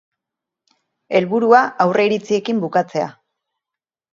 Helburua, aurreiritziekin bukatzea.